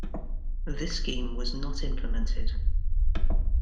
This scheme was not implemented.